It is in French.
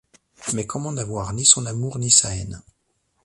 Mais comment n’avoir ni son amour ni sa haine ?